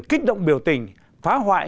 kích động biểu tình phá hoại